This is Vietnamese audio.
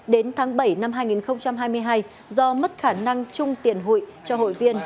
đến tháng bảy năm hai nghìn hai mươi hai do mất khả năng chung tiền hụi cho hụi viên